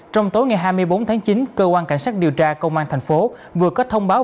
trong tối ngày hai mươi bốn tháng chín cơ quan cảnh sát điều tra công an thành phố vừa có thông báo